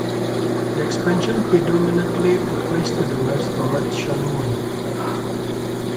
The expansion predominantly took place to the west towards Schonungen.